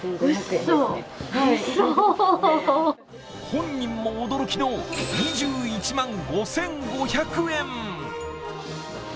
本人も驚きの２１万５５００円。